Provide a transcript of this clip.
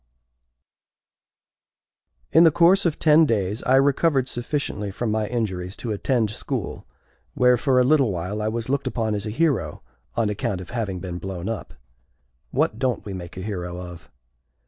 C. In the course of ten days I recovered sufficiently from my injuries to attend school, where, for a little while, I was looked upon as a hero, on account of having been blown up. What don't we make a hero of?